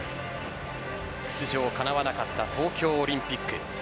出場かなわなかった東京オリンピック